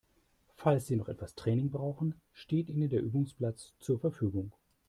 Falls Sie noch etwas Training brauchen, steht Ihnen der Übungsplatz zur Verfügung.